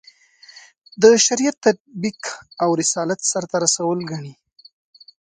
د شریعت تطبیق او رسالت سرته رسول ګڼي.